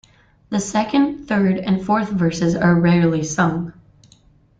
The second, third and fourth verses are rarely sung.